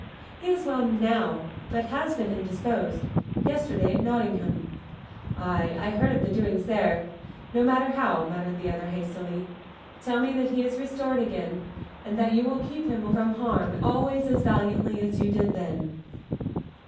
"He is well, now, but has been indisposed.... Yesterday at Nottingham " "Ay, I heard of the doings there no matter how," muttered the other, hastily. "Tell me that he is restored again; and that you will keep him from harm always as valiantly as you did then.